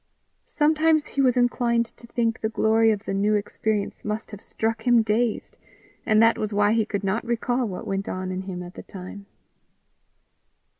Sometimes he was inclined to think the glory of the new experience must have struck him dazed, and that was why he could not recall what went on in him at the time.